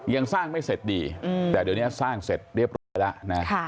ยังสร้างไม่เสร็จดีแต่เดี๋ยวนี้สร้างเสร็จเรียบร้อยแล้วนะ